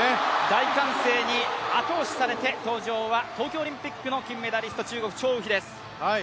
大歓声に後押しされて登場は東京オリンピックの金メダリスト、中国・張雨霏です。